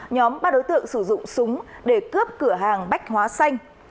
nhóm ba đối tượng sử dụng súng để cướp cửa hàng bách hóa xanh